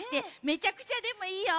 めちゃくちゃでもいいよ。